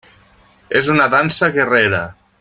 És una dansa guerrera.